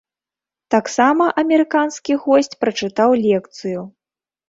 Таксама амерыканскі госць прачытаў лекцыю.